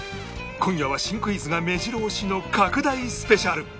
今夜は新クイズが目白押しの拡大スペシャル！